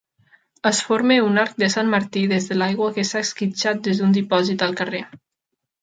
Es forma un arc de Sant Martí des de l'aigua que s'ha esquitxat des d'un dipòsit al carrer